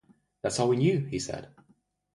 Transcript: "That's all we knew", he said.